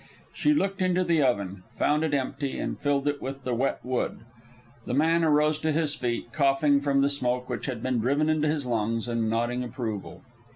She looked into the oven, found it empty, and filled it with the wet wood. The man arose to his feet, coughing from the smoke which had been driven into his lungs, and nodding approval.